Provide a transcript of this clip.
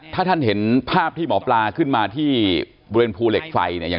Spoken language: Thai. ถ้าท่านเห็นภาพที่หมอปลาขึ้นมาที่บริเวณภูเหล็กไฟเนี่ย